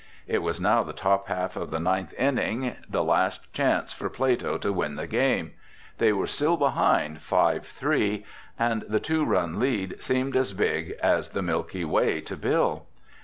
It was now the top half of the ninth inning, the last chance for Plato to win the game. They were still behind 5 3, and the two run lead seemed as big as the Milky Way to Bill.